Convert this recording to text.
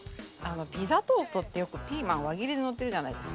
ピザトーストってよくピーマン輪切りでのってるじゃないですか。